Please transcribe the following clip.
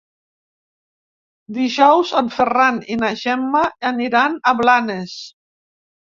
Dijous en Ferran i na Gemma aniran a Blanes.